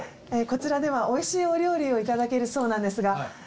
こちらではおいしいお料理を頂けるそうなんですが。